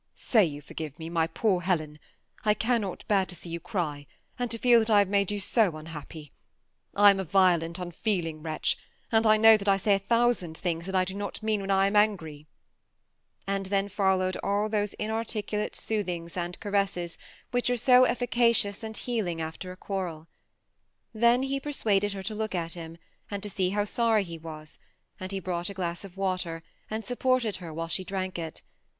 '' Say, you forgive me, my poor Helen ; I cannot bear to see 2S0 THB SKia ATTAGHED COUPLB. joa cry, and to feel that I have made 70a so unhappj. I am a videot, unfeeling wretch, and I know that I saj a thousand things that I do not mean when I am ao giy :" and then followed all those inarticulate soothinga and caresses which are so efficacious and healing after a qoarreL Then he persuaded lier to look at him, and to see how sorrj he was ; and he brought a glass of water, and sui^rted her while she drank it.